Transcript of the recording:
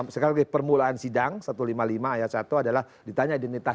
sekali lagi permulaan sidang satu ratus lima puluh lima ayat satu adalah ditanya identitas